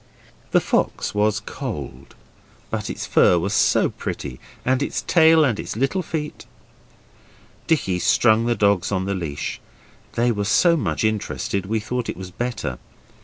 The fox was cold, but its fur was so pretty, and its tail and its little feet. Dicky strung the dogs on the leash; they were so much interested we thought it was better.